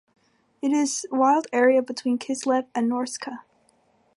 It is wild area between Kislev and Norsca.